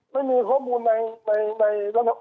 แล้วบอกกระทั่งวันที่๑๓ครับ